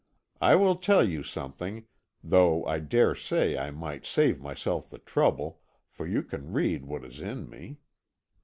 I will tell you something, though I dare say I might save myself the trouble, for you can read what is in me.